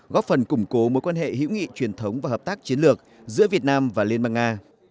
góp phần củng cố mối quan hệ hữu nghị truyền thống và hợp tác chiến lược giữa việt nam và liên bang nga